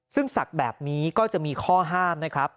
ซึ่งศักดิ์แบบนี้ก็จะมีข้อห้ามนะครับ